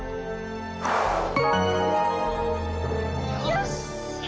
よし！